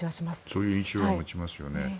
そういう印象は持ちますよね。